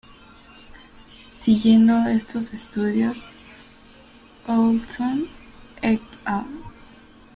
Siguiendo estos estudios, Ohlson "et al".